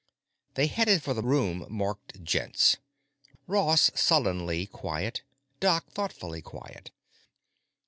They headed for the room marked "Gents," Ross sullenly quiet, Doc thoughtfully quiet.